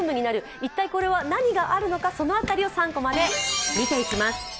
一体これは何があるのかその辺りを３コマで見ていきます。